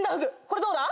これどうだ？